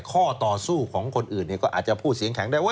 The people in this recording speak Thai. ข้อต่อสู้ของคนอื่นก็อาจจะพูดเสียงแข็งได้ว่า